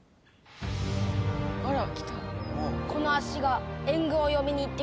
「あら！きた」